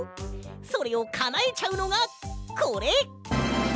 それをかなえちゃうのがこれ！